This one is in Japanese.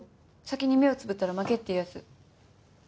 先に目をつぶったら負けっていうやつ。